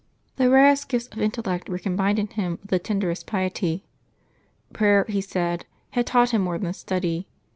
The rarest gifts of intellect were combined in him with the tenderest pietv. Prayer, he said, had taught him more than study.